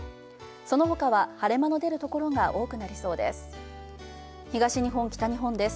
その他は晴れ間の出るところが多くなりそうです。